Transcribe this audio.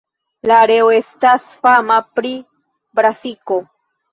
La areo estas fama pri brasiko.